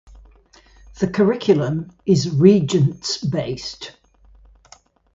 The curriculum is Regents-based.